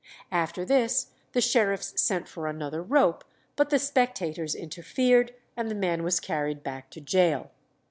After this the sheriffs sent for another rope, but the spectators interfered, and the man was carried back to gaol.